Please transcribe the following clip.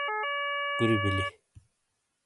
کُوری بلی۔